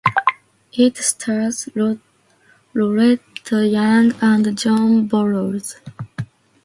It stars Loretta Young and John Boles.